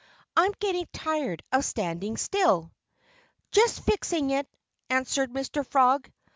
"I'm getting tired of standing still." "Just fixing it!" answered Mr. Frog.